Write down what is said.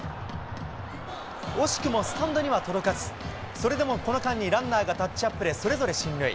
惜しくもスタンドには届かず、それでもこの間にランナーがタッチアップでそれぞれ進塁。